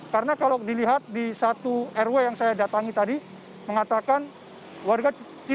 karena kalau dilihat di satu rw yang saya datangi tadi mengatakan warga tidak cukup mampu untuk membeli masker yang layak dalam pandemi covid sembilan belas